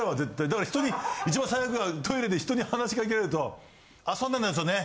だから人に一番最悪なのはトイレで人に話しかけられると「あっそうなんですよね」。